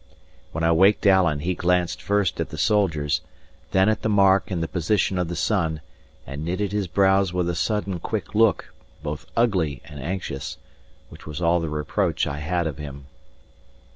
When I waked Alan, he glanced first at the soldiers, then at the mark and the position of the sun, and knitted his brows with a sudden, quick look, both ugly and anxious, which was all the reproach I had of him.